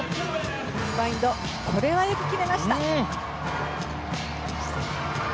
コンバインドこれはよく決めました。